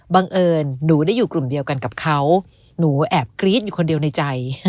บังเอิญหนูได้อยู่กลุ่มเดียวกันกับเขาหนูแอบกรี๊ดอยู่คนเดียวในใจ